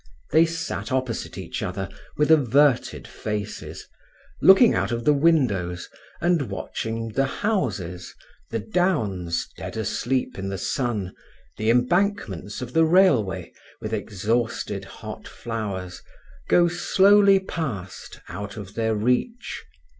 They sat opposite each other with averted faces, looking out of the windows and watching the houses, the downs dead asleep in the sun, the embankments of the railway with exhausted hot flowers go slowly past out of their reach.